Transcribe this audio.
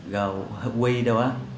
rồi hơi quy đâu á